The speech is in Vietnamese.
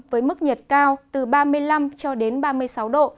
với mức nhiệt cao từ ba mươi năm ba mươi sáu độ